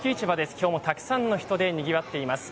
今日もたくさんの人でにぎわっています。